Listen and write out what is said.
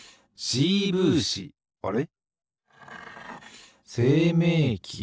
あれ？